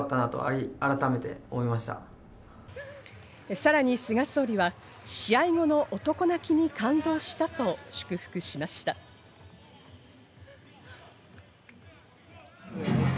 さらに菅総理は、試合後の男泣きに感動したと祝福しました。